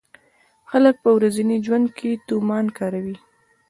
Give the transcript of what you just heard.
خلک په ورځني ژوند کې تومان کاروي.